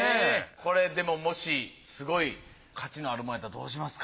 これでももしすごい価値のあるもんやったらどうしますか？